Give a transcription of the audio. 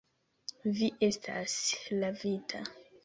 Vi estas lavita.